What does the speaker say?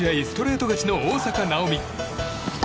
ストレート勝ちの大坂なおみ。